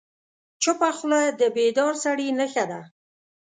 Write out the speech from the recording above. چپه خوله، د بیدار سړي نښه ده.